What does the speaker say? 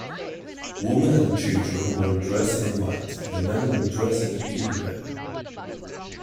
Women and children were dressed in white; the men were dressed in black.